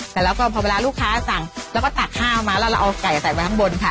แต่แล้วก็พอเวลาลูกค้าสั่งแล้วก็ตักข้าวมาแล้วเราเอาไก่ใส่ไว้ข้างบนค่ะ